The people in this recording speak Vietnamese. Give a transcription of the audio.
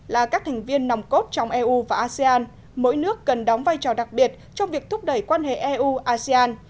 là các thành viên nòng cốt trong eu và asean mỗi nước cần đóng vai trò đặc biệt trong việc thúc đẩy quan hệ eu asean